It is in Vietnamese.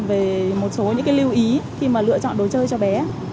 về một số những cái lưu ý khi mà lựa chọn đồ chơi cho bé